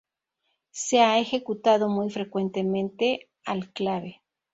Se ha ejecutado muy frecuentemente al clave.